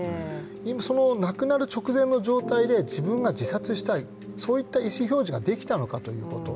今、亡くなる直前の状態で、自分が自殺したいそういった意思表示ができたのかということ。